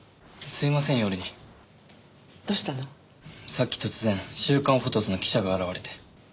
さっき突然『週刊フォトス』の記者が現れて。